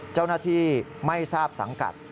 เจ้าหน้าที่ไม่ทราบสังกัด